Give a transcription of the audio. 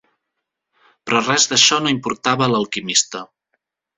Però res d'això no importava a l'alquimista.